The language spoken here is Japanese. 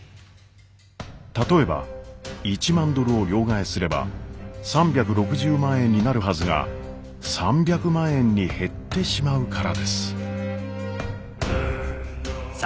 例えば１万ドルを両替すれば３６０万円になるはずが３００万円に減ってしまうからです。